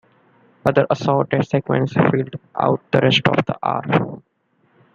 Other assorted segments filled out the rest of the hour.